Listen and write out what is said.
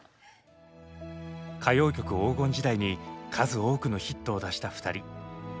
歌謡曲黄金時代に数多くのヒットを出した２人。